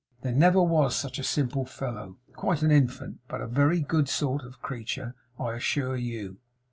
There never was such a simple fellow! Quite an infant! But a very good sort of creature, I assure you.